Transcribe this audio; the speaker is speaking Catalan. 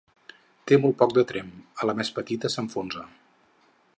Té molt poc de tremp: a la més petita s'enfonsa.